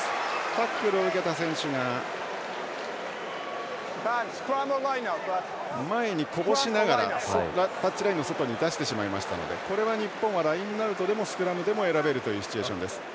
タックルを受けた選手が前にこぼしながらタッチラインの外に出してしまいましたのでこれは日本はラインアウトでもスクラムでも選べるというシチュエーションです。